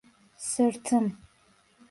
Sırtım…